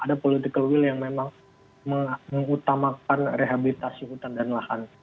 ada political will yang memang mengutamakan rehabilitasi hutan dan lahan